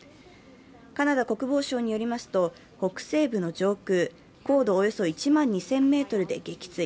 カナダ国防省によりますと、北西部の上空、高度およそ１万２０００ｍで撃墜。